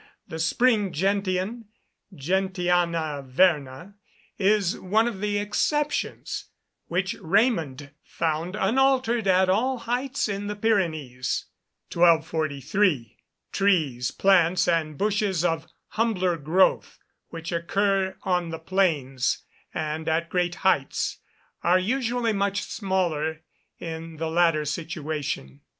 The spring gentian, Gentiana verna, is one of the exceptions, which Raymond found unaltered at all heights in the Pyrenees. 1243. Trees, plants, and bushes, of humbler growth, which occur on the plains and at great heights, are usually much smaller in the latter situation.